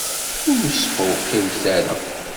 Ur sqewqiwet ara!